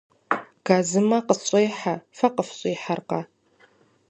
Газымэ къысщӏехьэ, фэ къыфщӏихьэркъэ?